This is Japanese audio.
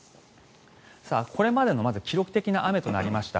これまでのまず記録的な雨となりました。